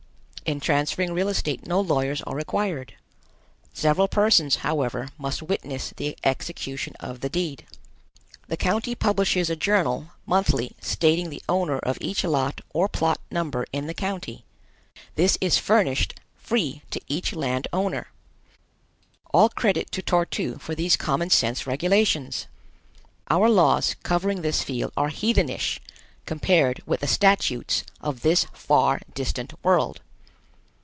In transferring real estate no lawyers are required. Several persons, however, must witness the execution of the deed. The county publishes a journal, monthly, stating the owner of each lot or plot number in the county. This is furnished free to each land owner. All credit to Tor tu for these common sense regulations! Our laws covering this field are heathenish compared with the statutes of this far distant world.